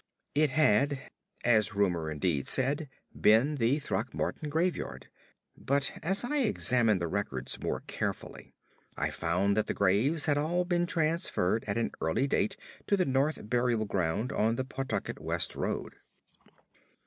It had, as rumor indeed said, been the Throckmorton graveyard; but as I examined the records more carefully, I found that the graves had all been transferred at an early date to the North Burial Ground on the Pawtucket West Road.